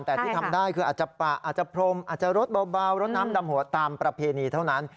แต่ที่ทำได้คืออาจจะปะอาจจะพรมอาจจะรสเบารดน้ำดำหัวตามประเพณีเท่านั้น